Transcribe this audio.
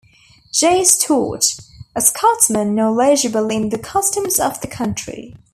J. Stewart, a Scotsman knowledgeable in the customs of the country.